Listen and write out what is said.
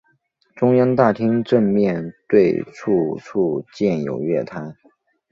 中央大厅正面对出处建有月台。